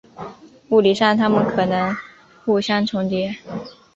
物理上它们可能互相重叠。